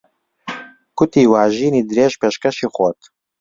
کوتی وا ژینی درێژ پێشکەشی خۆت